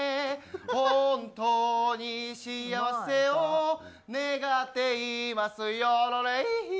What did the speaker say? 本当に幸せを願っていますヨロレイヒ。